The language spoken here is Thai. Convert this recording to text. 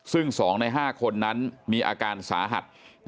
ซึ่ง๒ใน๕คนนั้นมีอาการสาหัส